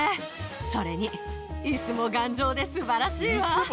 それに、いすも頑丈ですばらしいわ。